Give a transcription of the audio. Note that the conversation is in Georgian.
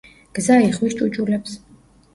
გზა იხვის ჭუჭულებს!